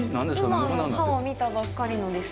今歯を見たばっかりのですよ。